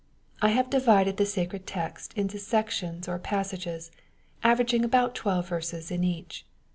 I have divided the sacred text into sections or passages, averaging about twelve verses in each.